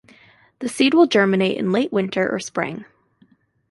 The seed will germinate in late winter or spring.